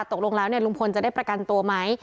ตกลงแล้วลุงพลจะได้ประกันตัวไหม